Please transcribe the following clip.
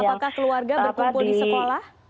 apakah keluarga berkumpul di sekolah